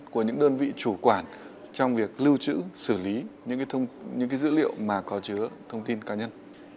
của những đơn vị chủ quản trong việc lưu trữ xử lý những dữ liệu mà có chứa thông tin cá nhân